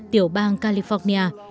tiểu bang california